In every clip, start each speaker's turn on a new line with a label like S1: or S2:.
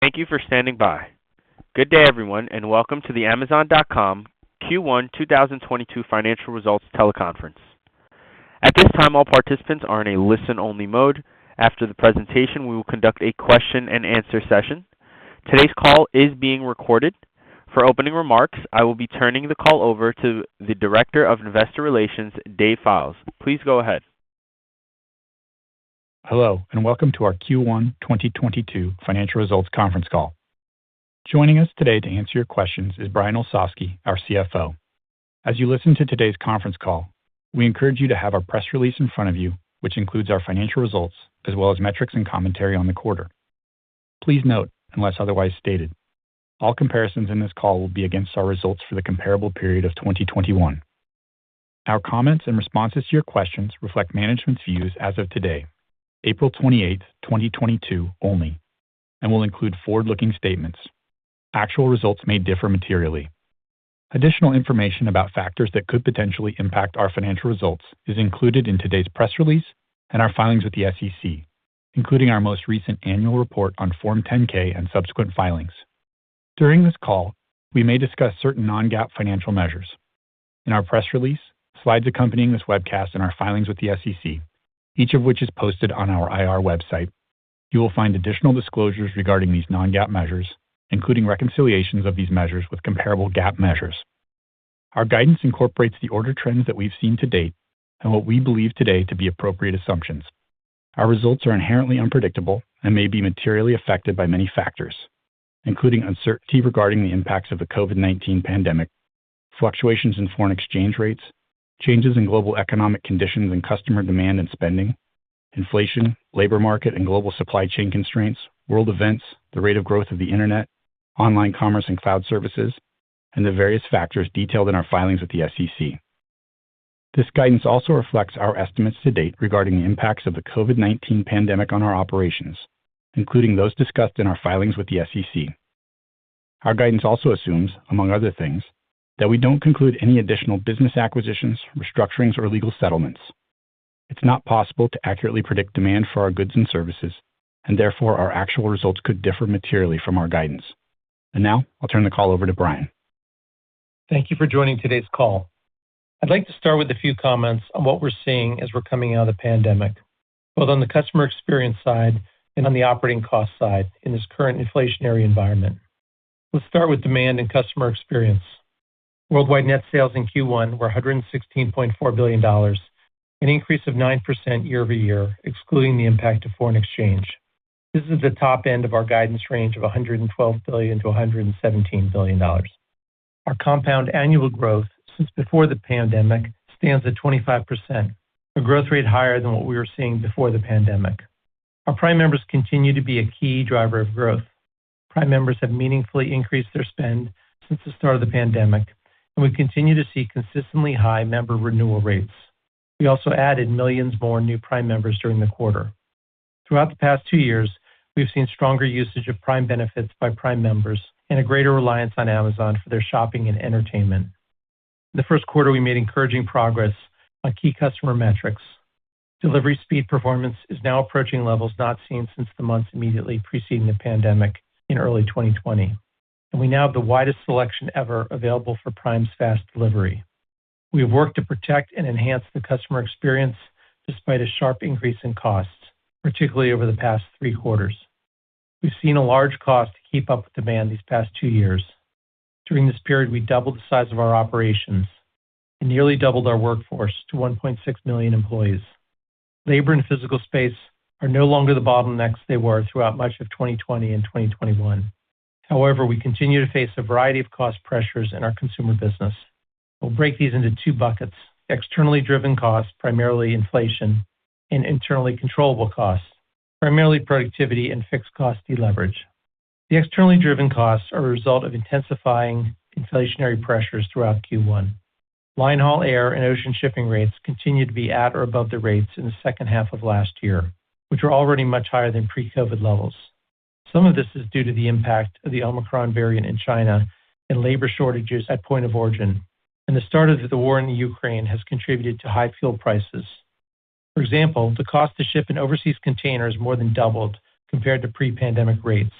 S1: Thank you for standing by. Good day, everyone, and welcome to the Amazon.com Q1 2022 financial results teleconference. At this time, all participants are in a listen-only mode. After the presentation, we will conduct a question-and-answer session. Today's call is being recorded. For opening remarks, I will be turning the call over to the Director of Investor Relations, Dave Fildes. Please go ahead.
S2: Hello, and welcome to our Q1 2022 financial results conference call. Joining us today to answer your questions is Brian Olsavsky, our CFO. As you listen to today's conference call, we encourage you to have our press release in front of you, which includes our financial results as well as metrics and commentary on the quarter. Please note, unless otherwise stated, all comparisons in this call will be against our results for the comparable period of 2021. Our comments and responses to your questions reflect management's views as of today, April 28, 2022 only and will include forward-looking statements. Actual results may differ materially. Additional information about factors that could potentially impact our financial results is included in today's press release and our filings with the SEC, including our most recent annual report on Form 10-K and subsequent filings. During this call, we may discuss certain non-GAAP financial measures. In our press release, slides accompanying this webcast and our filings with the SEC, each of which is posted on our IR website, you will find additional disclosures regarding these non-GAAP measures, including reconciliations of these measures with comparable GAAP measures. Our guidance incorporates the order trends that we've seen to date and what we believe today to be appropriate assumptions. Our results are inherently unpredictable and may be materially affected by many factors, including uncertainty regarding the impacts of the COVID-19 pandemic, fluctuations in foreign exchange rates, changes in global economic conditions and customer demand and spending, inflation, labor market and global supply chain constraints, world events, the rate of growth of the Internet, online commerce and cloud services, and the various factors detailed in our filings with the SEC. This guidance also reflects our estimates to date regarding the impacts of the COVID-19 pandemic on our operations, including those discussed in our filings with the SEC. Our guidance also assumes, among other things, that we don't conclude any additional business acquisitions, restructurings, or legal settlements. It's not possible to accurately predict demand for our goods and services, and therefore, our actual results could differ materially from our guidance. Now I'll turn the call over to Brian.
S3: Thank you for joining today's call. I'd like to start with a few comments on what we're seeing as we're coming out of the pandemic, both on the customer experience side and on the operating cost side in this current inflationary environment. Let's start with demand and customer experience. Worldwide net sales in Q1 were $116.4 billion, an increase of 9% year-over-year, excluding the impact of foreign exchange. This is the top end of our guidance range of $112 billion-$117 billion. Our compound annual growth since before the pandemic stands at 25%, a growth rate higher than what we were seeing before the pandemic. Our Prime members continue to be a key driver of growth. Prime members have meaningfully increased their spend since the start of the pandemic, and we continue to see consistently high member renewal rates. We also added millions more new Prime members during the quarter. Throughout the past two years, we've seen stronger usage of Prime benefits by Prime members and a greater reliance on Amazon for their shopping and entertainment. In the Q1, we made encouraging progress on key customer metrics. Delivery speed performance is now approaching levels not seen since the months immediately preceding the pandemic in early 2020, and we now have the widest selection ever available for Prime's fast delivery. We have worked to protect and enhance the customer experience despite a sharp increase in costs, particularly over the past three quarters. We've seen a large cost to keep up with demand these past two years. During this period, we doubled the size of our operations and nearly doubled our workforce to 1.6 million employees. Labor and physical space are no longer the bottlenecks they were throughout much of 2020 and 2021. However, we continue to face a variety of cost pressures in our consumer business. We'll break these into two buckets, externally driven costs, primarily inflation, and internally controllable costs, primarily productivity and fixed cost deleverage. The externally driven costs are a result of intensifying inflationary pressures throughout Q1. Line haul air and ocean shipping rates continue to be at or above the rates in the second half of last year, which were already much higher than pre-COVID levels. Some of this is due to the impact of the Omicron variant in China and labor shortages at point of origin, and the start of the war in the Ukraine has contributed to high fuel prices. For example, the cost to ship an overseas container has more than doubled compared to pre-pandemic rates.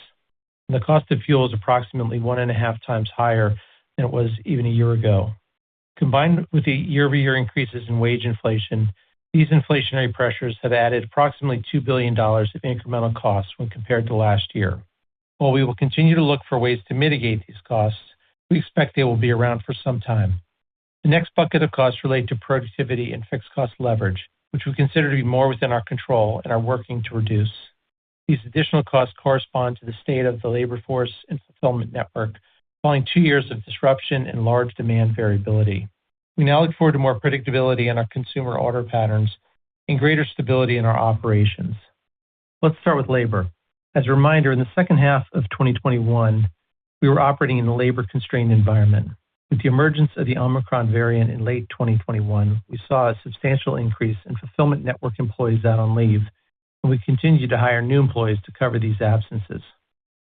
S3: The cost of fuel is approximately 1.5 times higher than it was even a year ago. Combined with the year-over-year increases in wage inflation, these inflationary pressures have added approximately $2 billion of incremental costs when compared to last year. While we will continue to look for ways to mitigate these costs, we expect they will be around for some time. The next bucket of costs relate to productivity and fixed cost leverage, which we consider to be more within our control and are working to reduce. These additional costs correspond to the state of the labor force and fulfillment network following two years of disruption and large demand variability. We now look forward to more predictability in our consumer order patterns and greater stability in our operations. Let's start with labor. As a reminder, in the second half of 2021, we were operating in a labor-constrained environment. With the emergence of the Omicron variant in late 2021, we saw a substantial increase in fulfillment network employees out on leave, and we continued to hire new employees to cover these absences.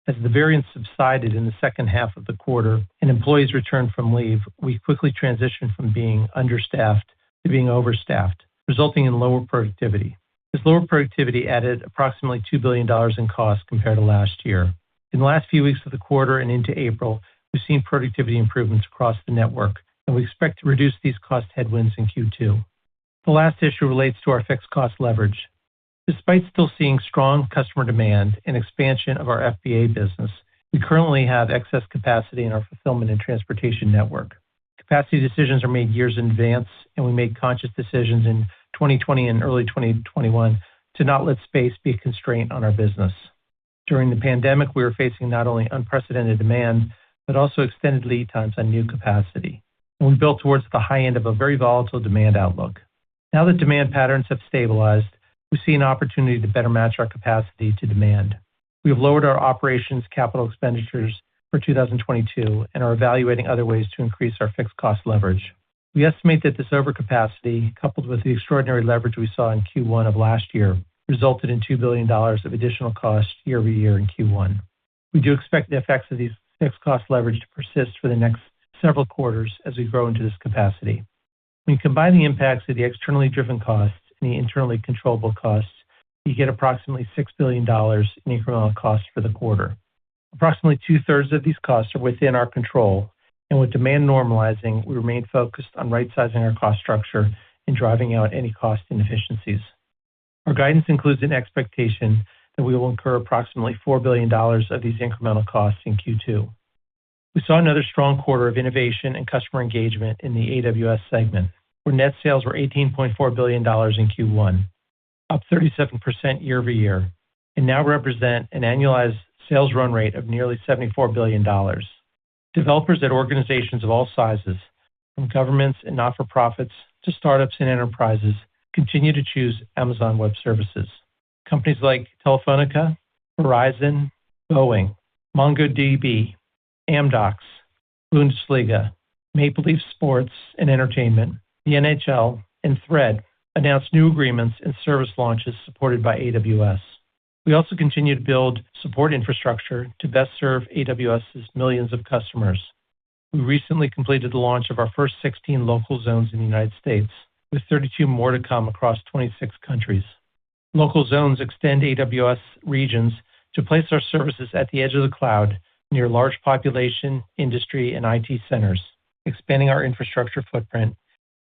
S3: As the variant subsided in the second half of the quarter and employees returned from leave, we quickly transitioned from being understaffed to being overstaffed, resulting in lower productivity. This lower productivity added approximately $2 billion in cost compared to last year. In the last few weeks of the quarter and into April, we've seen productivity improvements across the network, and we expect to reduce these cost headwinds in Q2. The last issue relates to our fixed cost leverage. Despite still seeing strong customer demand and expansion of our FBA business, we currently have excess capacity in our fulfillment and transportation network. Capacity decisions are made years in advance, and we made conscious decisions in 2020 and early 2021 to not let space be a constraint on our business. During the pandemic, we were facing not only unprecedented demand, but also extended lead times on new capacity, and we built towards the high end of a very volatile demand outlook. Now that demand patterns have stabilized, we see an opportunity to better match our capacity to demand. We have lowered our operations capital expenditures for 2022 and are evaluating other ways to increase our fixed cost leverage. We estimate that this overcapacity, coupled with the extraordinary leverage we saw in Q1 of last year, resulted in $2 billion of additional cost year-over-year in Q1. We do expect the effects of these fixed cost leverage to persist for the next several quarters as we grow into this capacity. When you combine the impacts of the externally driven costs and the internally controllable costs, you get approximately $6 billion in incremental costs for the quarter. Approximately two-thirds of these costs are within our control, and with demand normalizing, we remain focused on right-sizing our cost structure and driving out any cost inefficiencies. Our guidance includes an expectation that we will incur approximately $4 billion of these incremental costs in Q2. We saw another strong quarter of innovation and customer engagement in the AWS segment, where net sales were $18.4 billion in Q1, up 37% year-over-year, and now represent an annualized sales run rate of nearly $74 billion. Developers at organizations of all sizes, from governments and not-for-profits to startups and enterprises, continue to choose Amazon Web Services. Companies like Telefónica, Verizon, Boeing, MongoDB, Amdocs, Bundesliga, Maple Leaf Sports and Entertainment, the NHL, and Thread announced new agreements and service launches supported by AWS. We also continue to build support infrastructure to best serve AWS' millions of customers. We recently completed the launch of our first 16 Local Zones in the United States, with 32 more to come across 26 countries. Local Zones extend AWS regions to place our services at the edge of the cloud near large population, industry, and IT centers, expanding our infrastructure footprint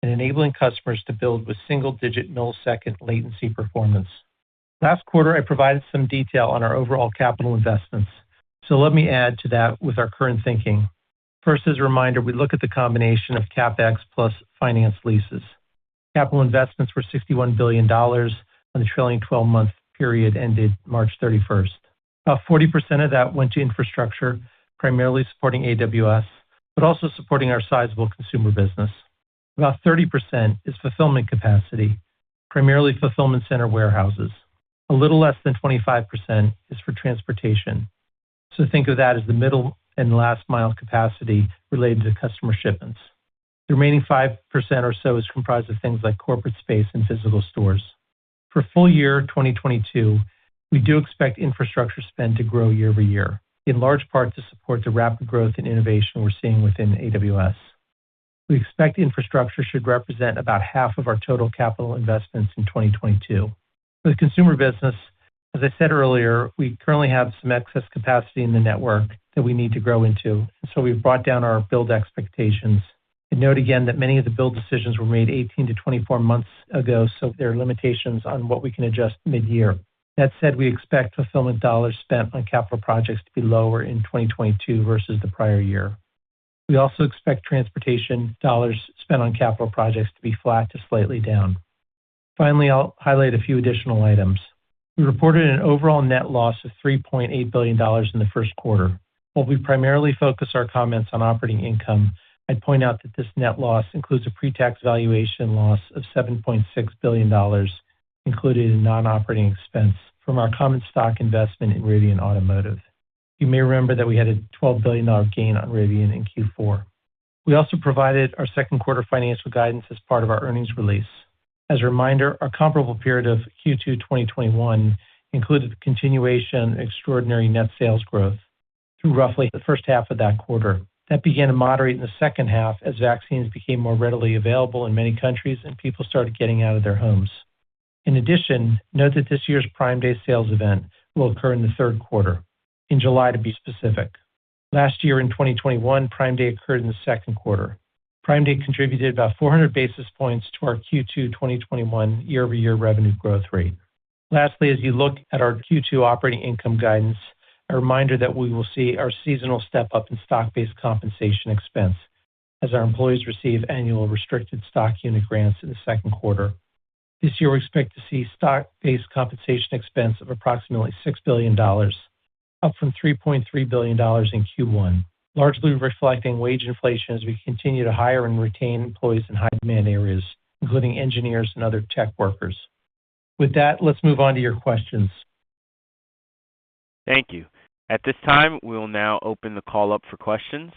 S3: and enabling customers to build with single-digit millisecond latency performance. Last quarter, I provided some detail on our overall capital investments. Let me add to that with our current thinking. First, as a reminder, we look at the combination of CapEx plus finance leases. Capital investments were $61 billion on the trailing twelve-month period ended March 31. About 40% of that went to infrastructure, primarily supporting AWS, but also supporting our sizable consumer business. About 30% is fulfillment capacity, primarily fulfillment center warehouses. A little less than 25% is for transportation. Think of that as the middle and last mile capacity related to customer shipments. The remaining 5% or so is comprised of things like corporate space and physical stores. For full year 2022, we do expect infrastructure spend to grow year-over-year, in large part to support the rapid growth in innovation we're seeing within AWS. We expect infrastructure should represent about half of our total capital investments in 2022. For the consumer business, as I said earlier, we currently have some excess capacity in the network that we need to grow into, and so we've brought down our build expectations. Note again that many of the build decisions were made 18-24 months ago, so there are limitations on what we can adjust mid-year. That said, we expect fulfillment dollars spent on capital projects to be lower in 2022 versus the prior year. We also expect transportation dollars spent on capital projects to be flat to slightly down. Finally, I'll highlight a few additional items. We reported an overall net loss of $3.8 billion in the Q1. While we primarily focus our comments on operating income, I'd point out that this net loss includes a pre-tax valuation loss of $7.6 billion included in non-operating expense from our common stock investment in Rivian Automotive. You may remember that we had a $12 billion gain on Rivian in Q4. We also provided our Q2 financial guidance as part of our earnings release. As a reminder, our comparable period of Q2 2021 included the continuation of extraordinary net sales growth through roughly the first half of that quarter. That began to moderate in the second half as vaccines became more readily available in many countries and people started getting out of their homes. In addition, note that this year's Prime Day sales event will occur in the Q3, in July to be specific. Last year in 2021, Prime Day occurred in the Q2. Prime Day contributed about 400 basis points to our Q2 2021 year-over-year revenue growth rate. Lastly, as you look at our Q2 operating income guidance, a reminder that we will see our seasonal step-up in stock-based compensation expense as our employees receive annual restricted stock unit grants in the Q2. This year, we expect to see stock-based compensation expense of approximately $6 billion, up from $3.3 billion in Q1, largely reflecting wage inflation as we continue to hire and retain employees in high demand areas, including engineers and other tech workers. With that, let's move on to your questions.
S1: Thank you. At this time, we will now open the call up for questions.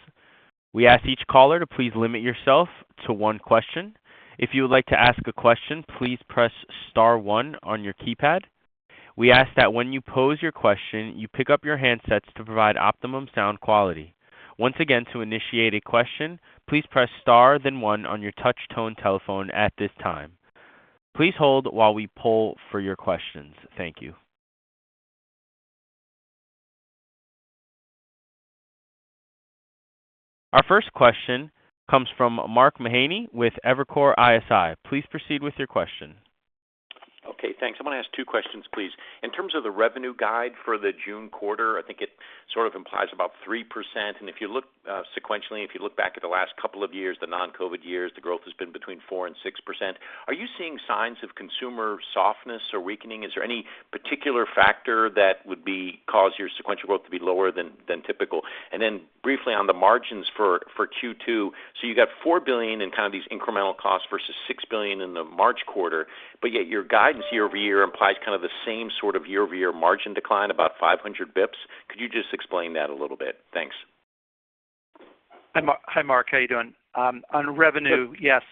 S1: We ask each caller to please limit yourself to one question. If you would like to ask a question, please press star one on your keypad. We ask that when you pose your question, you pick up your handsets to provide optimum sound quality. Once again, to initiate a question, please press star then one on your touchtone telephone at this time. Please hold while we poll for your questions. Thank you. Our first question comes from Mark Mahaney with Evercore ISI. Please proceed with your question.
S4: Okay, thanks. I'm gonna ask two questions, please. In terms of the revenue guide for the June quarter, I think it sort of implies about 3%. If you look sequentially, if you look back at the last couple of years, the non-COVID years, the growth has been between 4% and 6%. Are you seeing signs of consumer softness or weakening? Is there any particular factor that would be cause your sequential growth to be lower than typical? Then briefly on the margins for Q2, so you got $4 billion in kind of these incremental costs versus $6 billion in the March quarter. Yet your guidance year over year implies kind of the same sort of year over year margin decline, about 500 basis points. Could you just explain that a little bit? Thanks.
S3: Hi, Mark. How are you doing? On revenue, yes.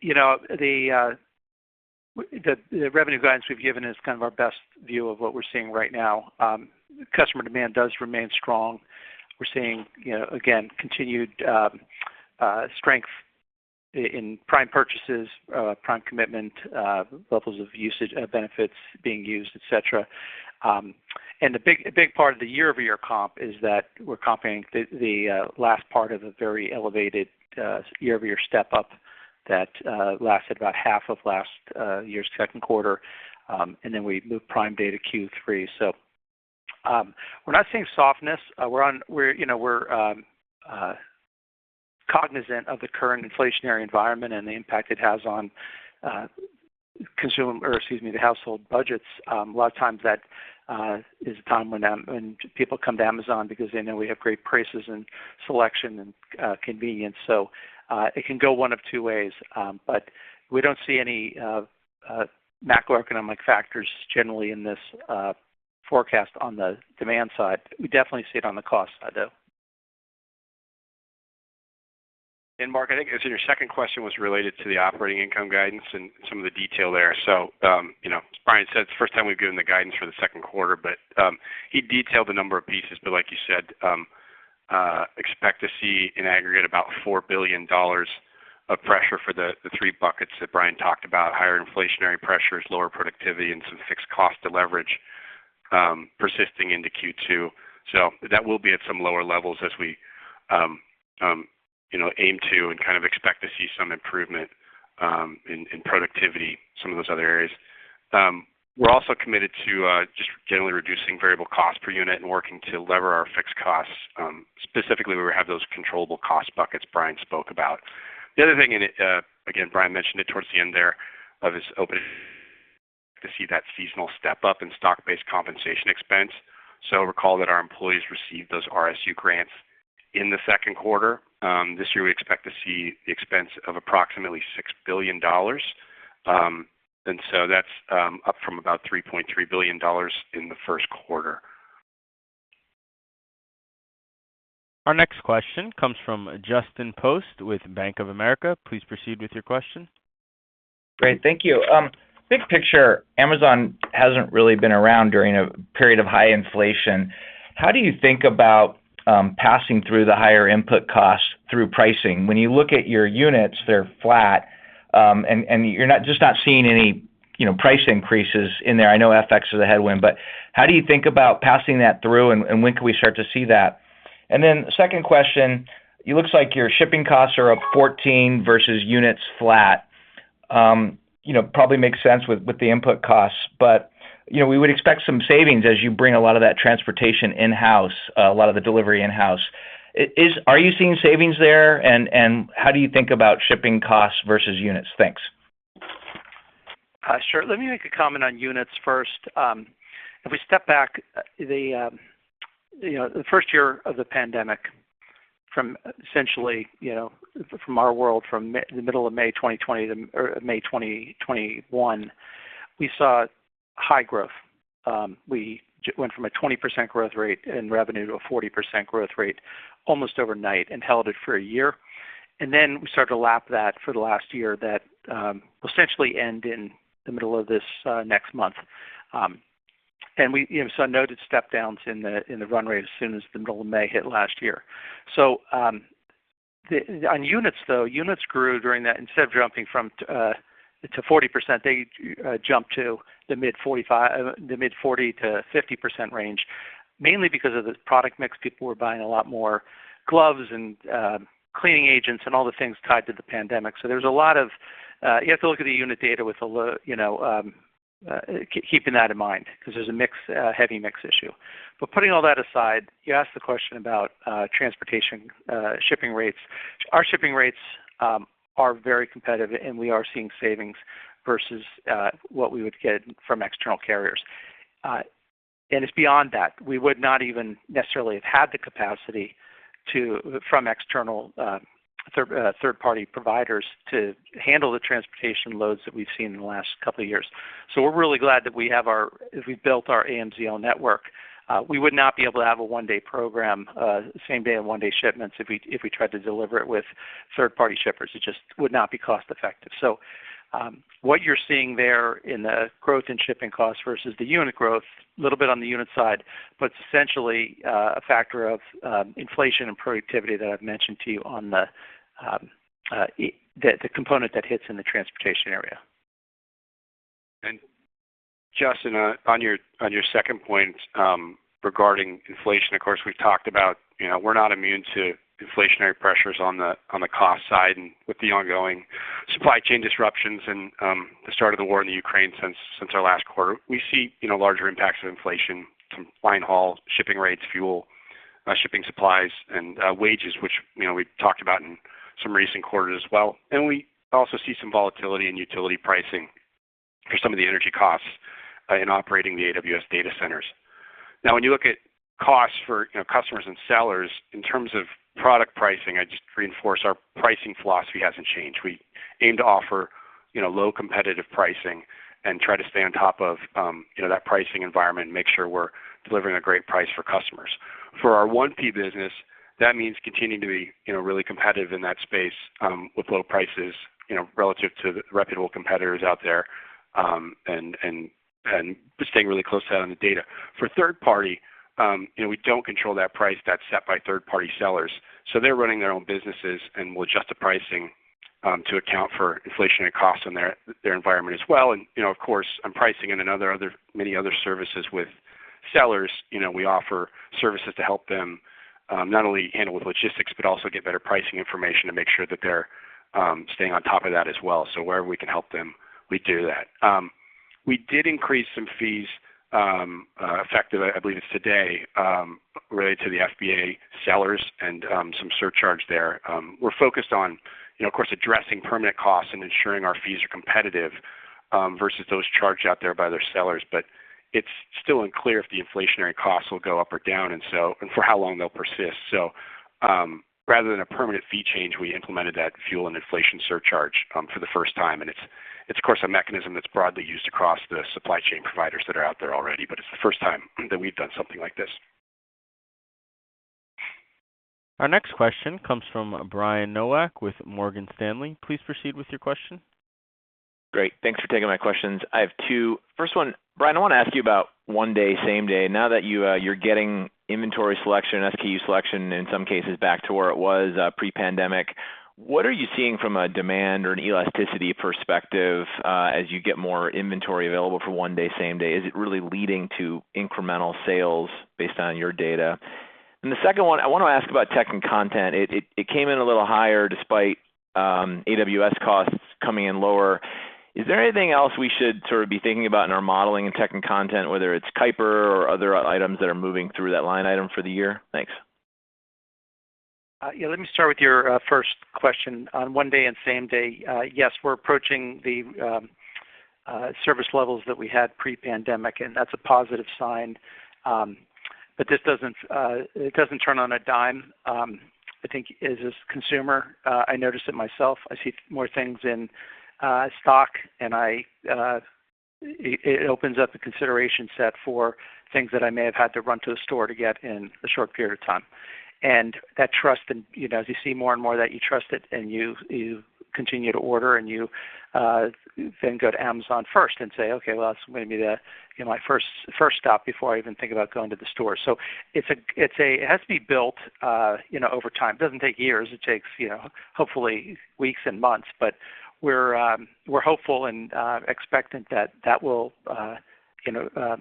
S3: You know, the revenue guidance we've given is kind of our best view of what we're seeing right now. Customer demand does remain strong. We're seeing, you know, again, continued strength in Prime purchases, Prime commitment, levels of usage, benefits being used, et cetera. The big part of the year-over-year comp is that we're comparing the last part of a very elevated year-over-year step up that lasted about half of last year's Q2, and then we moved Prime Day to Q3. We're not seeing softness. We're, you know, we're cognizant of the current inflationary environment and the impact it has on, or excuse me, the household budgets. A lot of times that is a time when people come to Amazon because they know we have great prices and selection and convenience. It can go one of two ways. We don't see any macroeconomic factors generally in this forecast on the demand side. We definitely see it on the cost side, though.
S2: Mark, I think, as in your second question, was related to the operating income guidance and some of the detail there. you know, Brian said it's the first time we've given the guidance for the Q2, but, he detailed a number of pieces. like you said, expect to see in aggregate about $4 billion of pressure for the three buckets that Brian talked about, higher inflationary pressures, lower productivity, and some fixed cost to leverage, persisting into Q2. that will be at some lower levels as we, you know, aim to and kind of expect to see some improvement, in productivity, some of those other areas. We're also committed to just generally reducing variable cost per unit and working to lever our fixed costs, specifically, where we have those controllable cost buckets Brian spoke about. The other thing, and, again, Brian mentioned it towards the end there of his opening, to see that seasonal step up in stock-based compensation expense. Recall that our employees received those RSU grants in the Q2. This year, we expect to see the expense of approximately $6 billion. That's up from about $3.3 billion in the Q1.
S1: Our next question comes from Justin Post with Bank of America. Please proceed with your question.
S5: Great. Thank you. Big picture, Amazon hasn't really been around during a period of high inflation. How do you think about passing through the higher input costs through pricing? When you look at your units, they're flat, and you're not just not seeing any, you know, price increases in there. I know FX is a headwind, but how do you think about passing that through, and when can we start to see that? Second question, it looks like your shipping costs are up 14 versus units flat. You know, probably makes sense with the input costs, but you know, we would expect some savings as you bring a lot of that transportation in-house, a lot of the delivery in-house. Are you seeing savings there, and how do you think about shipping costs versus units? Thanks.
S3: Sure. Let me make a comment on units first. If we step back, you know, the first year of the pandemic from essentially, you know, from our world, from the middle of May 2020 to May 2021, we saw high growth. We went from a 20% growth rate in revenue to a 40% growth rate almost overnight and held it for a year. Then we started to lap that for the last year. That will essentially end in the middle of this next month. We noted step downs in the run rate as soon as the middle of May hit last year. On units, though, units grew during that. Instead of jumping from to 40%, they jumped to the mid-40%-50% range, mainly because of the product mix. People were buying a lot more gloves and cleaning agents and all the things tied to the pandemic. There was a lot of you have to look at the unit data with you know, keeping that in mind, 'cause there's a mix heavy mix issue. Putting all that aside, you asked the question about transportation, shipping rates. Our shipping rates are very competitive, and we are seeing savings versus what we would get from external carriers. It's beyond that. We would not even necessarily have had the capacity to, from external, third-party providers to handle the transportation loads that we've seen in the last couple of years. We're really glad that we have our, as we built our AMZL network. We would not be able to have a One-Day program, Same-Day and One-Day shipments if we tried to deliver it with third-party shippers. It just would not be cost-effective. What you're seeing there in the growth in shipping costs versus the unit growth, little bit on the unit side, but essentially, a factor of, inflation and productivity that I've mentioned to you on the component that hits in the transportation area.
S2: Justin, on your second point, regarding inflation, of course, we've talked about, you know, we're not immune to inflationary pressures on the cost side. With the ongoing supply chain disruptions and the start of the war in the Ukraine since our last quarter, we see, you know, larger impacts of inflation from line haul, shipping rates, fuel, shipping supplies and wages, which, you know, we've talked about in some recent quarters as well. We also see some volatility in utility pricing for some of the energy costs in operating the AWS data centers. Now, when you look at costs for, you know, customers and sellers in terms of product pricing, I'd just reinforce our pricing philosophy hasn't changed. We aim to offer, you know, low competitive pricing and try to stay on top of, you know, that pricing environment and make sure we're delivering a great price for customers. For our 1P business, that means continuing to be, you know, really competitive in that space, with low prices, you know, relative to the reputable competitors out there, and just staying really close to that on the data. For third party, you know, we don't control that price. That's set by third party sellers. They're running their own businesses and will adjust the pricing to account for inflationary costs in their environment as well. You know, of course, on pricing and many other services with sellers, you know, we offer services to help them, not only handle with logistics, but also get better pricing information to make sure that they're staying on top of that as well. Where we can help them, we do that. We did increase some fees, effective, I believe it's today, related to the FBA sellers and some surcharge there. We're focused on, you know, of course, addressing permanent costs and ensuring our fees are competitive, versus those charged out there by their sellers. It's still unclear if the inflationary costs will go up or down, and for how long they'll persist. Rather than a permanent fee change, we implemented that fuel and inflation surcharge for the first time, and it's of course a mechanism that's broadly used across the supply chain providers that are out there already, but it's the first time that we've done something like this.
S1: Our next question comes from Brian Nowak with Morgan Stanley. Please proceed with your question.
S6: Great. Thanks for taking my questions. I have two. First one, Brian, I wanna ask you about One-Day Same-Day. Now that you're getting inventory selection, SKU selection in some cases back to where it was pre-pandemic, what are you seeing from a demand or an elasticity perspective as you get more inventory available for One-Day Same-Day? Is it really leading to incremental sales based on your data? The second one, I wanna ask about tech and content. It came in a little higher despite AWS costs coming in lower. Is there anything else we should sort of be thinking about in our modeling in tech and content, whether it's Kuiper or other items that are moving through that line item for the year? Thanks.
S3: Yeah, let me start with your first question. On One-Day and Same-Day, yes, we're approaching the service levels that we had pre-pandemic, and that's a positive sign. It doesn't turn on a dime. I think as a consumer, I notice it myself. I see more things in stock, and it opens up the consideration set for things that I may have had to run to the store to get in a short period of time. That trust and, you know, as you see more and more that you trust it, and you continue to order, and you then go to Amazon first and say, "Okay, well that's going to be the, you know, my first stop before I even think about going to the store." It has to be built, you know, over time. It doesn't take years. It takes, you know, hopefully weeks and months. We're hopeful and expectant that that will, you know,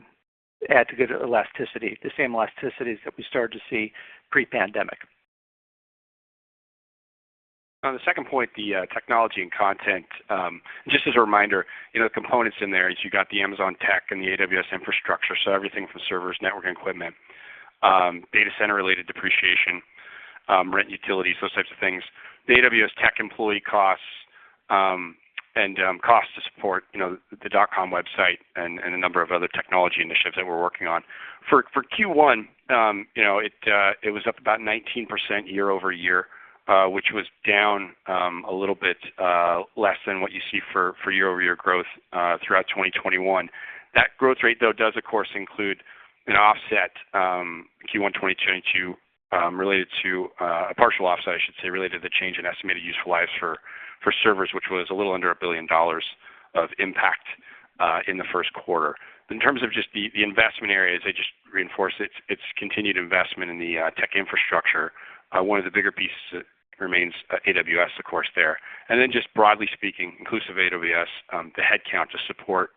S3: add to good elasticity, the same elasticities that we started to see pre-pandemic.
S2: On the second point, the technology and content, just as a reminder, you know, the components in there is you got the Amazon tech and the AWS infrastructure. So everything from servers, network and equipment, data center related depreciation, rent and utilities, those types of things. The AWS tech employee costs, and cost to support, you know, the dot-com website and a number of other technology initiatives that we're working on. For Q1, you know, it was up about 19% year-over-year, which was down a little bit less than what you see for year-over-year growth throughout 2021. That growth rate, though, does of course include an offset, Q1 2022, related to a partial offset, I should say, related to the change in estimated useful lives for servers, which was a little under $1 billion of impact in the first quarter. In terms of just the investment areas, I just reinforce it's continued investment in the tech infrastructure. One of the bigger pieces that remains, AWS of course there. Just broadly speaking, inclusive AWS, the headcount to support,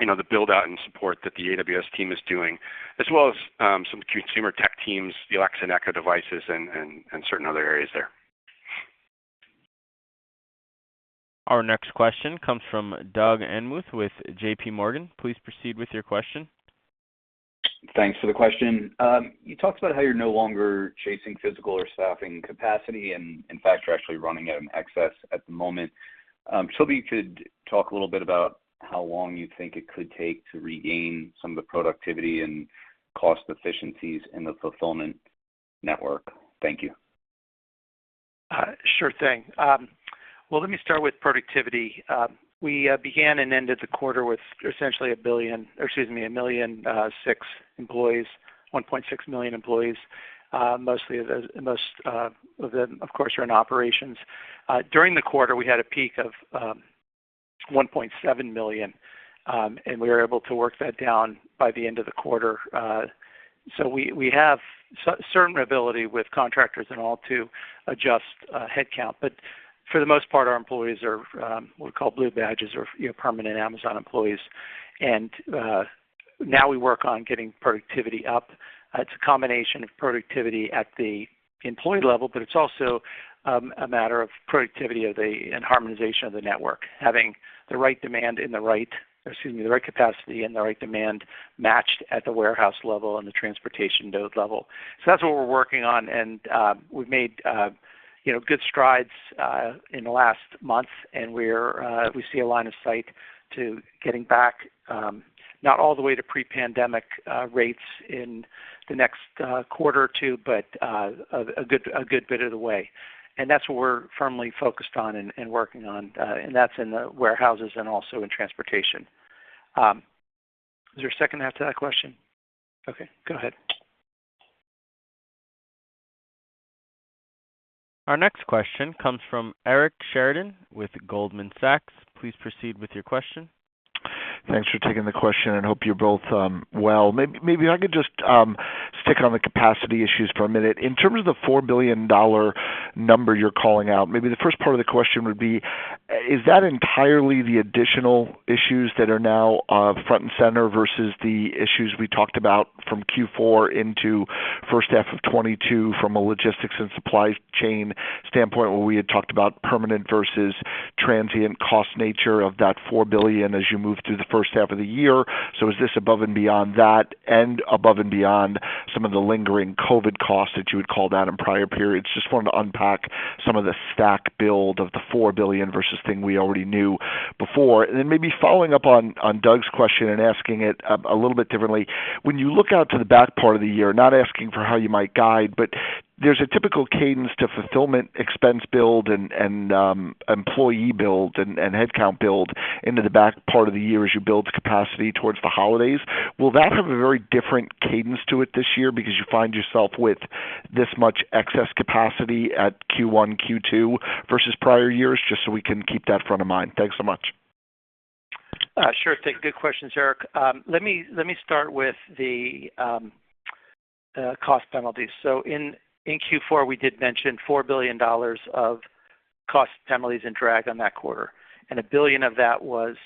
S2: you know, the build out and support that the AWS team is doing, as well as some consumer tech teams, the Alexa and Echo devices and certain other areas there.
S1: Our next question comes from Doug Anmuth with J.P. Morgan. Please proceed with your question.
S7: Thanks for the question. You talked about how you're no longer chasing physical or staffing capacity, and in fact, you're actually running at an excess at the moment. If you could talk a little bit about how long you think it could take to regain some of the productivity and cost efficiencies in the fulfillment network? Thank you.
S3: Sure thing. Well, let me start with productivity. We began and ended the quarter with essentially a billion, or excuse me, a million six employees, 1.6 million employees. Mostly, of course, are in operations. During the quarter, we had a peak of 1.7 million, and we were able to work that down by the end of the quarter. So we have certain ability with contractors and all to adjust headcount. But for the most part, our employees are what we call blue badges or, you know, permanent Amazon employees. Now we work on getting productivity up. It's a combination of productivity at the employee level, but it's also a matter of productivity of the, and harmonization of the network, having the right demand in the right. Excuse me. The right capacity and the right demand matched at the warehouse level and the transportation node level. That's what we're working on, and we've made, you know, good strides in the last month, and we see a line of sight to getting back, not all the way to pre-pandemic rates in the next quarter or two, but a good bit of the way. That's what we're firmly focused on and working on. That's in the warehouses and also in transportation. Was there a second half to that question? Okay, go ahead.
S1: Our next question comes from Eric Sheridan with Goldman Sachs. Please proceed with your question.
S8: Thanks for taking the question, and hope you're both well. Maybe I could just stick on the capacity issues for a minute. In terms of the $4 billion number you're calling out, maybe the first part of the question would be, is that entirely the additional issues that are now front and center versus the issues we talked about from Q4 into first half of 2022 from a logistics and supply chain standpoint, where we had talked about permanent versus transient cost nature of that $4 billion as you move through the first half of the year. Is this above and beyond that and above and beyond some of the lingering COVID costs that you had called out in prior periods? Just wanted to unpack some of the stack build of the $4 billion versus thing we already knew before. Then maybe following up on Doug's question and asking it a little bit differently. When you look out to the back part of the year, not asking for how you might guide, but there's a typical cadence to fulfillment expense build and employee build and headcount build into the back part of the year as you build capacity towards the holidays. Will that have a very different cadence to it this year because you find yourself with this much excess capacity at Q1, Q2 versus prior years, just so we can keep that front of mind? Thanks so much.
S3: Sure thing. Good questions, Eric. Let me start with the cost penalties. In Q4, we did mention $4 billion of cost penalties and drag on that quarter, and $1 billion of that was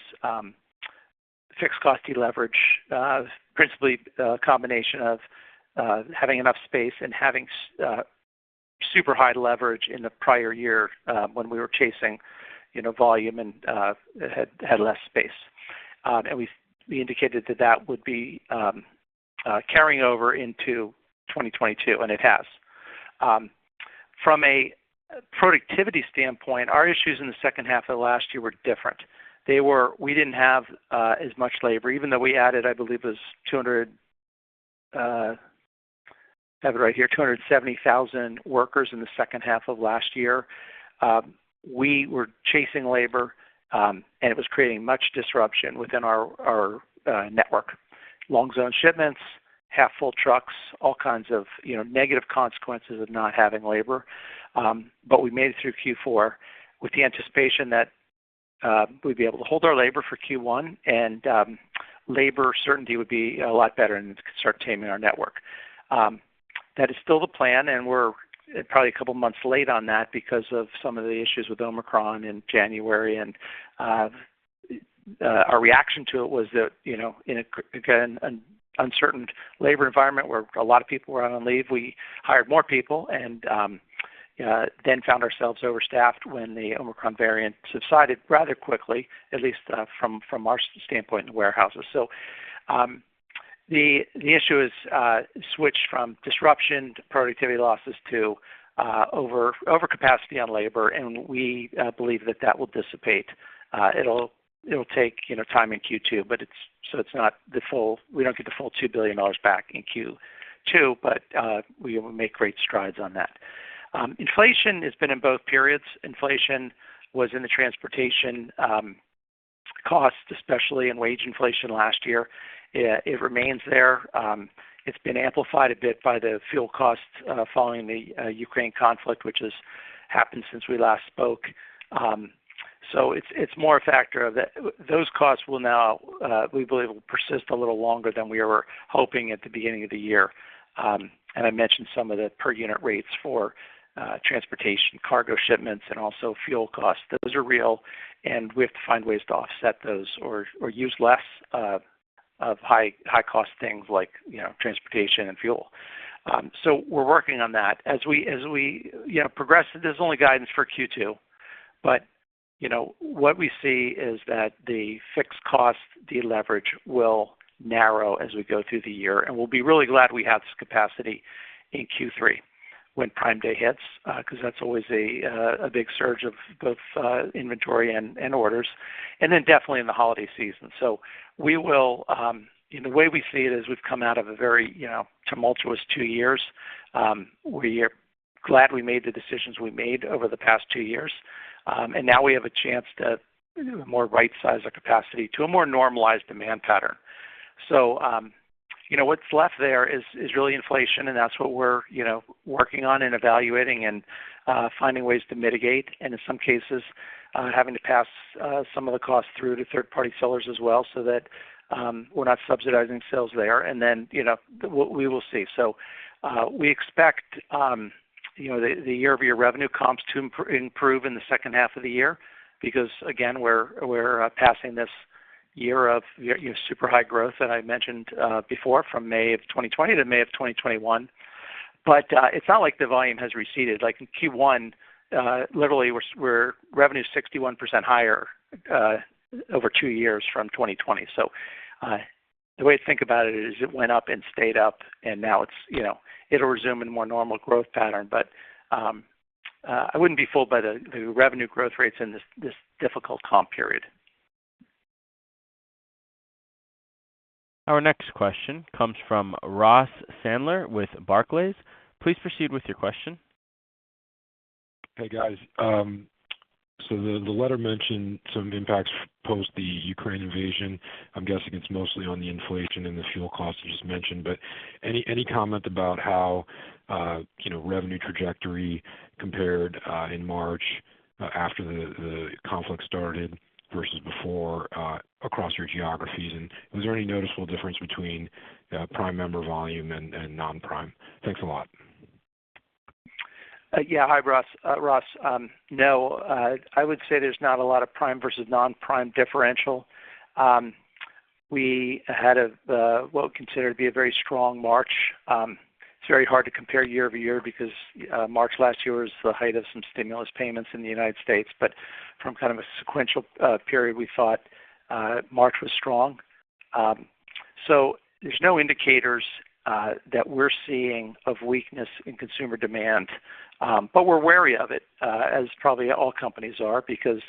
S3: fixed cost deleverage, principally a combination of having enough space and having super high leverage in the prior year, when we were chasing, you know, volume and had less space. We indicated that would be carrying over into 2022, and it has. From a productivity standpoint, our issues in the second half of last year were different. We didn't have as much labor, even though we added, I believe it was 270,000 workers in the second half of last year. We were chasing labor, and it was creating much disruption within our network. Wrong zone shipments, half full trucks, all kinds of, you know, negative consequences of not having labor. We made it through Q4 with the anticipation that we'd be able to hold our labor for Q1, and labor certainty would be a lot better, and we could start taming our network. That is still the plan, and we're probably a couple months late on that because of some of the issues with Omicron in January. Our reaction to it was that, you know, in an uncertain labor environment where a lot of people were on leave, we hired more people and then found ourselves overstaffed when the Omicron variant subsided rather quickly, at least from our standpoint in the warehouses. The issue is switched from disruption to productivity losses to overcapacity on labor, and we believe that will dissipate. It'll take, you know, time in Q2, but we don't get the full $2 billion back in Q2, but we will make great strides on that. Inflation has been in both periods. Inflation was in the transportation cost, especially in wage inflation last year. It remains there. It's been amplified a bit by the fuel costs following the Ukraine conflict, which has happened since we last spoke. It's more a factor of that. Those costs will now, we believe, will persist a little longer than we were hoping at the beginning of the year. I mentioned some of the per unit rates for transportation, cargo shipments, and also fuel costs. Those are real, and we have to find ways to offset those or use less of high-cost things like, you know, transportation and fuel. We're working on that. As we progress, there's only guidance for Q2, but what we see is that the fixed cost deleverage will narrow as we go through the year, and we'll be really glad we have this capacity in Q3 when Prime Day hits, 'cause that's always a big surge of both inventory and orders, and then definitely in the holiday season. The way we see it is we've come out of a very tumultuous two years. We are glad we made the decisions we made over the past two years. Now we have a chance to more right-size our capacity to a more normalized demand pattern. You know, what's left there is really inflation, and that's what we're you know working on and evaluating and finding ways to mitigate and in some cases having to pass some of the costs through to third-party sellers as well, so that we're not subsidizing sales there. You know we will see. We expect you know the year-over-year revenue comps to improve in the second half of the year because again we're passing this year of you know super high growth that I mentioned before from May of 2020 to May of 2021. It's not like the volume has receded. Like, in Q1, literally we're revenue's 61% higher over two years from 2020. The way to think about it is it went up and stayed up, and now it's, you know, it'll resume in a more normal growth pattern. I wouldn't be fooled by the revenue growth rates in this difficult comp period.
S1: Our next question comes from Ross Sandler with Barclays. Please proceed with your question.
S9: Hey, guys. The letter mentioned some impacts post the Ukraine invasion. I'm guessing it's mostly on the inflation and the fuel costs you just mentioned. Any comment about how you know revenue trajectory compared in March after the conflict started versus before across your geographies? Was there any noticeable difference between Prime member volume and non-Prime? Thanks a lot.
S3: Hi, Ross. No, I would say there's not a lot of Prime versus non-Prime differential. We had, what we consider to be, a very strong March. It's very hard to compare year-over-year because March last year was the height of some stimulus payments in the United States. From kind of a sequential period, we thought March was strong. There's no indicators that we're seeing of weakness in consumer demand. We're wary of it as probably all companies are because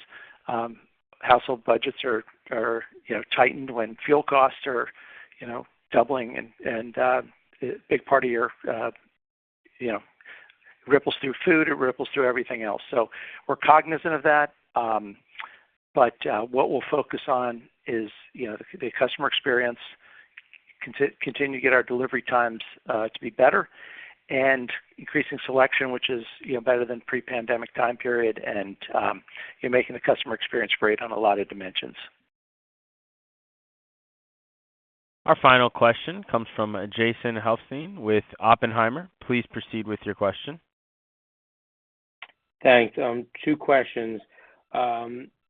S3: household budgets are, you know, tightened when fuel costs are, you know, doubling and a big part of your, you know, ripples through food, it ripples through everything else. We're cognizant of that. What we'll focus on is, you know, the customer experience, continue to get our delivery times to be better and increasing selection, which is, you know, better than pre-pandemic time period and, you know, making the customer experience great on a lot of dimensions.
S1: Our final question comes from Jason Helfstein with Oppenheimer. Please proceed with your question.
S10: Thanks. Two questions.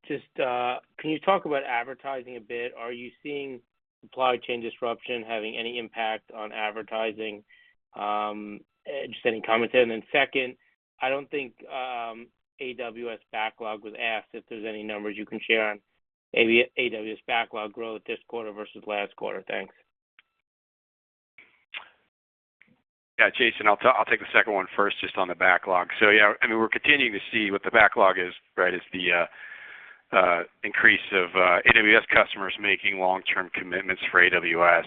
S10: Just, can you talk about advertising a bit? Are you seeing supply chain disruption having any impact on advertising? Just any comments there. Second, I don't think AWS backlog was asked, if there's any numbers you can share on AWS backlog growth this quarter versus last quarter. Thanks.
S3: Yeah, Jason, I'll take the second one first just on the backlog. Yeah, I mean, we're continuing to see what the backlog is, right, is the increase of AWS customers making long-term commitments for AWS.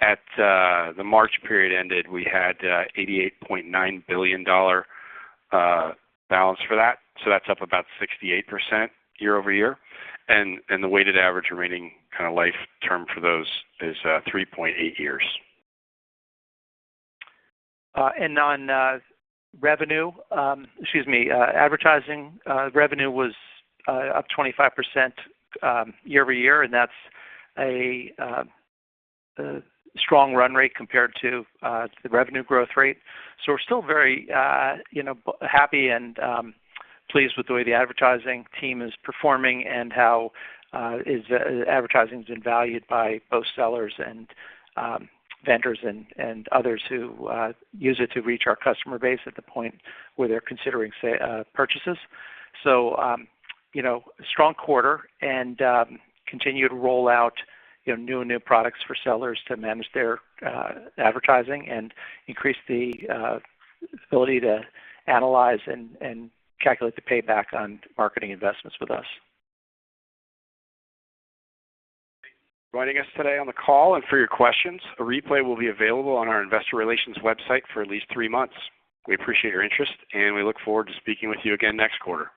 S3: At the end of the March period, we had $88.9 billion balance for that, so that's up about 68% year-over-year. The weighted average remaining kind of life term for those is 3.8 years. On revenue, excuse me, advertising revenue was up 25% year-over-year, and that's a strong run rate compared to the revenue growth rate. We're still very, you know, happy and pleased with the way the advertising team is performing and how advertising's been valued by both sellers and vendors and others who use it to reach our customer base at the point where they're considering sales purchases. You know, strong quarter and continue to roll out new products for sellers to manage their advertising and increase the ability to analyze and calculate the payback on marketing investments with us.
S1: Thank you for joining us today on the call and for your questions. A replay will be available on our investor relations website for at least three months. We appreciate your interest, and we look forward to speaking with you again next quarter.